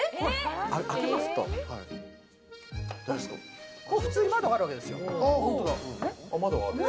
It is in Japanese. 開けますと、普通に窓があるわけですよ。